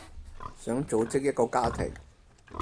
想組織一個家庭